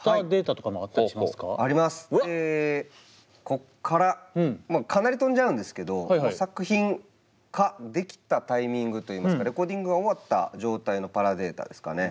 こっからかなり飛んじゃうんですけど作品化できたタイミングといいますかレコーディングが終わった状態のパラデータですかね。